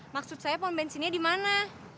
maksud saya pom bensinnya di mana